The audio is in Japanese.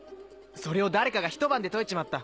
それを誰かがひと晩で解いちまった。